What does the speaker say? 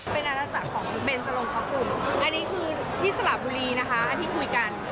เป็นอาจารย์ของเบ้นสโรงค้าฝุ่นอันนี้คือที่สลับบุรีนะคะที่คุยกัน